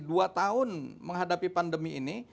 dua tahun menghadapi pandemi ini